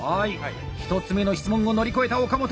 １つ目の質問を乗り越えた岡本。